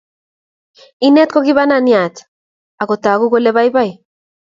Inet ko kibananiat ,ako tagu kole baibai